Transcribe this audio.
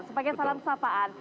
sebagai salam kesapaan